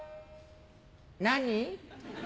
「何？」。